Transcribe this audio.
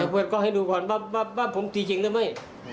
ต้องเปิดต้องให้ดูก่อนว่าผมตีจริงหรือไม่